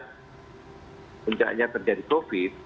sejaknya terjadi covid